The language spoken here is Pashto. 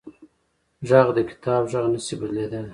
غږ د کتاب غږ نه شي بدلېدلی